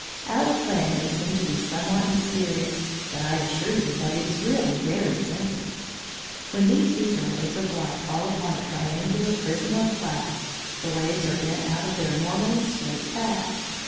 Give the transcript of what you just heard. Our plan may seem to be somewhat mysterious, but I assure you that it is really very simple. When these æther waves of light fall upon a triangular prism of glass, the waves are bent out of their normally straight path.